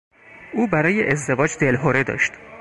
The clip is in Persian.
او برای ازدواج دلهره داشت.